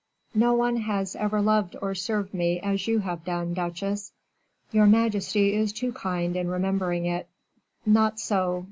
"No one has ever loved or served me as you have done, duchesse." "Your majesty is too kind in remembering it." "Not so.